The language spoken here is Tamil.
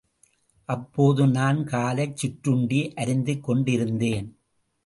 அப்போது நான் காலைச் சிற்றுண்டி அருந்திக் கொண்டு இருந்தேன்.